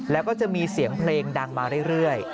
แล้วก็จะมีเสียงเพลงดังมาเรื่อย